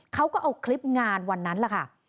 เขาก็เอาคลิปงานวันนั้นแหละค่ะ